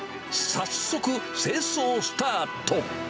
早速、清掃スタート。